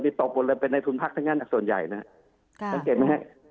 มีตกบนเลยเป็นนายทุนพักทั้งงานทางส่วนใหญ่นะค่ะสังเกตไหมฮะ